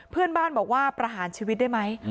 เพื่อนบ้านบอกว่าประหารชีวิตได้ไหม